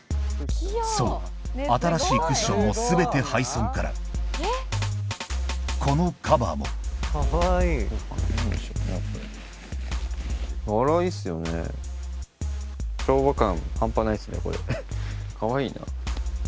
そう新しいクッションも全て廃村からこのカバーもかわいいな。